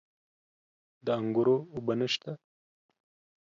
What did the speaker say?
د انګورو اوبه نشته؟